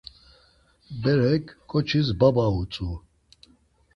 Berek ǩoçis 'baba' utzu.